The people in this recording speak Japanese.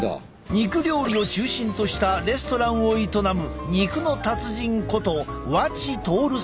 肉料理を中心としたレストランを営む肉の達人こと和知徹さんだ。